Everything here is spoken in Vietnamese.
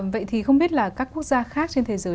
vậy thì không biết là các quốc gia khác trên thế giới